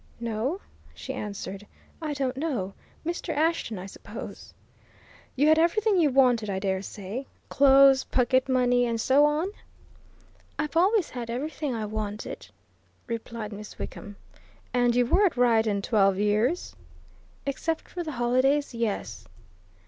"No," she answered, "I don't know. Mr. Ashton, I suppose." "You had everything you wanted, I dare say! Clothes, pocket money, and so on?" "I've always had everything I wanted," replied Miss Wickham. "And you were at Ryedene twelve years?" "Except for the holidays yes."